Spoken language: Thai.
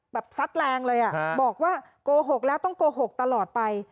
ซัดแรงเลยบอกว่าโกหกแล้วต้องโกหกตลอดไป